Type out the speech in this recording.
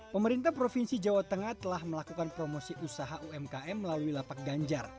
pemerintah provinsi jawa tengah telah melakukan promosi usaha umkm melalui lapak ganjar